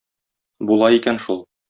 Була икән шул.